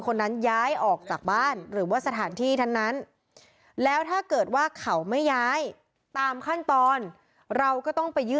ศาลจะเป็นคนถามอีกว่าจะออกมั้ย